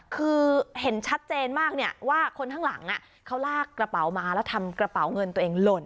คือเห็นชัดเจนมากเนี่ยว่าคนข้างหลังเขาลากกระเป๋ามาแล้วทำกระเป๋าเงินตัวเองหล่น